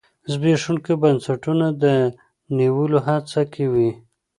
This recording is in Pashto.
د زبېښونکو بنسټونو د نیولو هڅه کې وي.